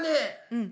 うん。